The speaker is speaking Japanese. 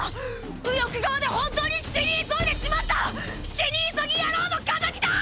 右翼側で本当に死に急いでしまった死に急ぎ野郎の仇だ！